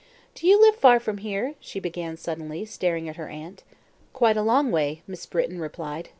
"Do you live far from here?" she began suddenly, staring at her aunt. "Quite a long way," Miss Britton replied.